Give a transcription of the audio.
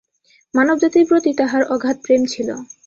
মানবজাতির প্রতি তাঁহার অগাধ প্রেম ছিল।